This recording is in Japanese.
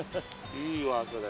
いいわそれ。